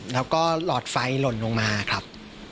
แล้วก็หลอดไฟหล่นลงมาครับ